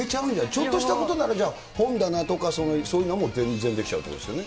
ちょっとしたことなら、じゃあ、本棚とか、そういうのは全然出来ちゃうということですよね。